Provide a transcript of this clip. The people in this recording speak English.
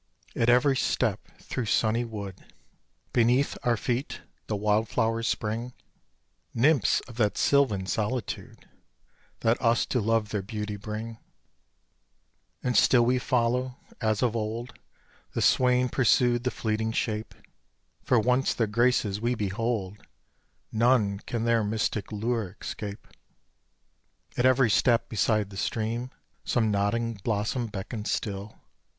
At every step through sunny wood, Beneath our feet the wild flowers spring, Nymphs of that sylvan solitude That us to love their beauty bring; And still we follow, as of old The swain pursued the fleeting shape, For once their graces we behold None can their mystic lure escape. At every step beside the stream, Some nodding blossom beckons still.